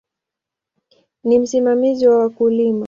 Ni msimamizi wa wakulima.